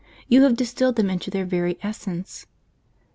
You have distilled them into their very essence.